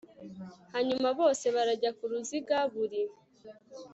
hanyuma bose barajya ku ruziga buri